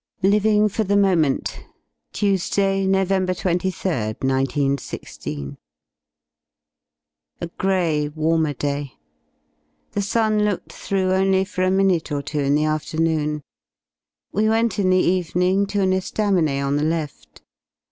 LIVING FOR THE MOMENT ^ Tuesday, Nov. 23rd, 1 9 1 6. Xp A grey, warmer day. The sun lookeHlhrough only for a minute or two in the afternoon. We went in the evening to an e^aminet on the left.